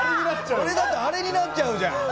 これだとあれになっちゃうじゃん！